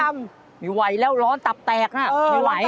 ไม่ไหวแล้วร้อนตับแตกน่ะไม่ไหว